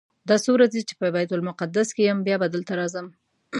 دا څو ورځې چې په بیت المقدس کې یم بیا به دلته راځم.